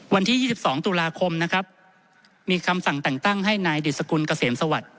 วันที่๒๒ตุลาคมนะครับมีคำสั่งแต่งตั้งให้นายดิสกุลเกษมสวัสดิ